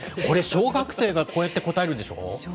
これ、小学生がこうやって答えるんでしょう？